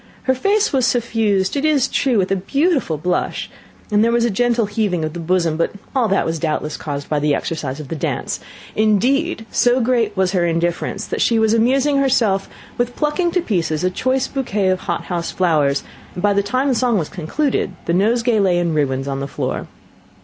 Her face was suffused, it is true, with a beautiful blush, and there was a gentle heaving of the bosom, but all that was doubtless caused by the exercise of the dance; indeed, so great was her indifference, that she was amusing herself with plucking to pieces a choice bouquet of hothouse flowers, and by the time the song was concluded, the nosegay lay in ruins on the floor.